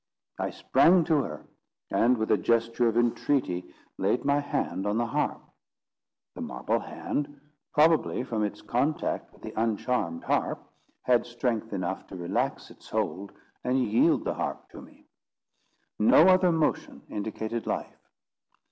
I sprang to her, and with a gesture of entreaty, laid my hand on the harp. The marble hand, probably from its contact with the uncharmed harp, had strength enough to relax its hold, and yield the harp to me. No other motion indicated life.